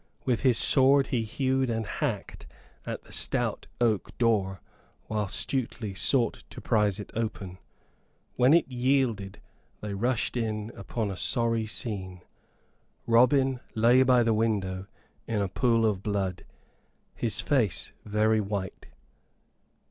With his sword he hewed and hacked at the stout oak door, whilst Stuteley sought to prise it open. When it yielded they rushed in upon a sorry scene. Robin lay by the window in a pool of blood, his face very white.